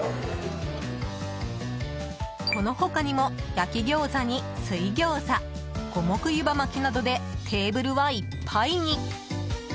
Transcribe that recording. この他にも、焼き餃子に水餃子五目湯葉巻などでテーブルはいっぱいに。